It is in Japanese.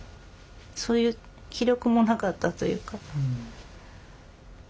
そういう気力もなかったというか。